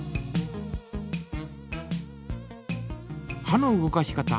歯の動かし方。